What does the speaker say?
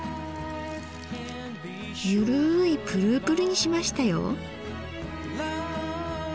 ゆるいプルプルにしましたよ。